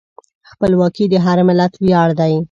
خپلواکي د هر ملت ویاړ دی.